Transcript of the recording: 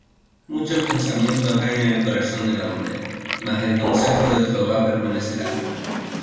Muchos pensamientos hay en el corazón del hombre; Mas el consejo de Jehová permanecerá.